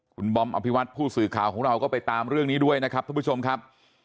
คุณบอมอภิวัตผู้สื่อข่าวของเราก็ไปตามเรื่องนี้ด้วยนะครับท่านผู้ชมครับ